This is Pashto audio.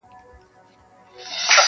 په واسکټ چي یې ښایستې حوري وېشلې -